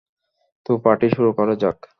তো, পার্টি শুরু করা যাক।